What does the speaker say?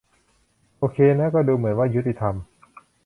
โอเคนะก็ดูเหมือนว่ายุติธรรม